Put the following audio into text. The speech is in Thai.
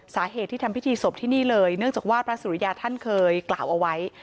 สาเหตุที่ทำพิธีศพที่นี่เลยเนื่องจากว่าพระสุริยาท่านเคยกล่าวเอาไว้